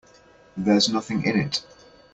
There's nothing in it.